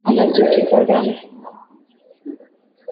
Anajua kifaransa